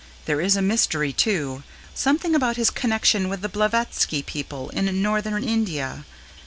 There is a mystery, too something about his connection with the Blavatsky people in Northern India.